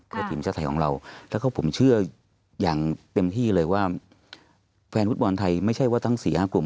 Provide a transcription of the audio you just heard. เพื่อทีมชาติไทยของเราแล้วก็ผมเชื่ออย่างเต็มที่เลยว่าแฟนฟุตบอลไทยไม่ใช่ว่าทั้งสี่ห้ากลุ่ม